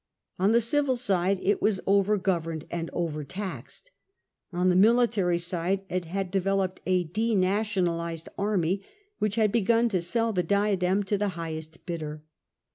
On the civil side it was over governed and over taxed ; on the military side it had developed a denationalised army, which had begun to sell the diadem to the highest bidder.